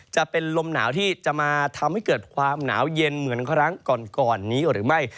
จะเป็นลมหนาวที่จะมาทำให้เกิดความหนาวเย็นเหมือนครั้งก่อนนี้หรือไม่